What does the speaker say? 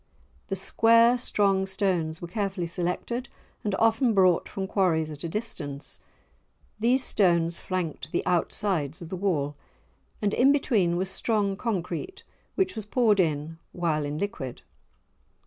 The square strong stones were carefully selected and often brought from quarries at a distance. These stones flanked the outsides of the wall, and in between was strong concrete which was poured in while in liquid.